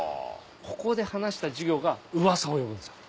ここで話した授業がうわさを呼ぶんですよ。